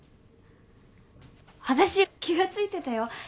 わたし気が付いてたよ。